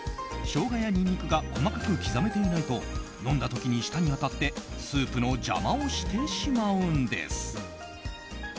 ショウガやニンニクが細かく刻めていないと飲んだ時に舌に当たってスープの邪魔をしてしまうんです。